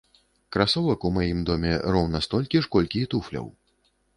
Красовак у маім доме роўна столькі ж, колькі і туфляў!